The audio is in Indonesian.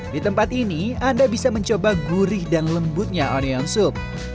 di tempat ini anda bisa mencoba gurih dan lembutnya orien sup